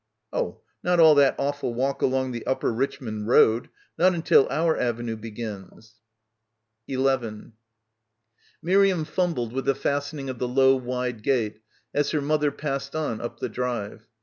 5 "Oh, not all that awful walk along the Upper Richmond Road — not until our avenue begins —" 11 Miriam fumbled with the fastening of the low wide gate as her mother passed on up the drive.